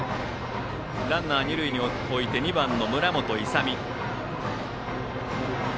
ランナー、二塁に置いて２番、村本勇海。